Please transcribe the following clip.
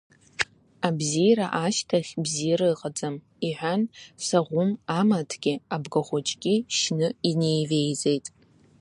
Абзиара ашьҭахь бзиара ыҟаӡам, — иҳәан, Саӷәым амаҭгьы, абгахәыҷгьы шьны инеивеиҵеит.